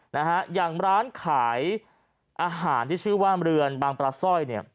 นะฮะอย่างร้านขายอาหารที่ชื่อว่าเรือนบางปลาสร้อยเนี่ย